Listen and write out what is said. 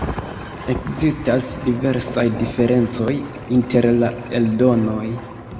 Ekzistas diversaj diferencoj inter la eldonoj.